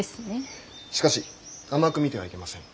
しかし甘く見てはいけません。